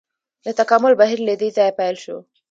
د تکامل بهیر له دې ځایه پیل شو.